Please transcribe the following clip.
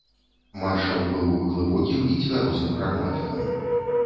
Маршал быў глыбокім і цвярозым прагматыкам.